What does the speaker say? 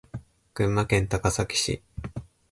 群馬県高崎市